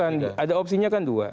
ada opsinya kan dua